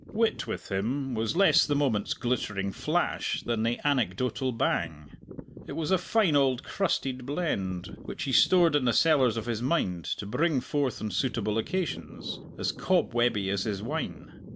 Wit with him was less the moment's glittering flash than the anecdotal bang; it was a fine old crusted blend which he stored in the cellars of his mind to bring forth on suitable occasions, as cob webby as his wine.